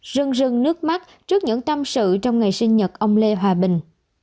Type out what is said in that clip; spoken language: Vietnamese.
rừng rưng nước mắt trước những tâm sự trong ngày sinh nhật ông lê hòa bình